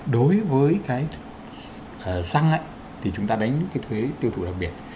đối với cái xăng thì chúng ta đánh cái thuế tiêu thụ đặc biệt